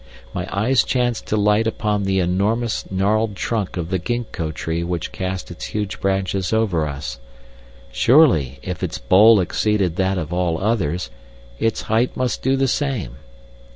My eyes chanced to light upon the enormous gnarled trunk of the gingko tree which cast its huge branches over us. Surely, if its bole exceeded that of all others, its height must do the same.